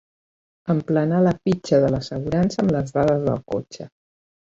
Emplenar la fitxa de l'assegurança amb les dades del cotxe.